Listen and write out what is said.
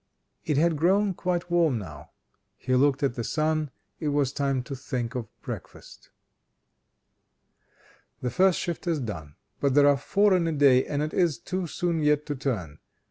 It had grown quite warm now; he looked at the sun, it was time to think of breakfast. "The first shift is done, but there are four in a day, and it is too soon yet to turn.